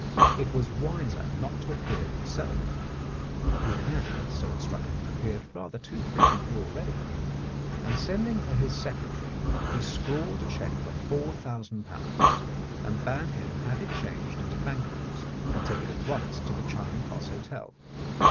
It was wiser not to ap pear himself (he had, so it struck him, appeared rather too frequently already), and sending for his secretary he scrawled a cheque for ^4,000, and bade him have it changed into bank notes and take it at once to the Charing Cross Hotel.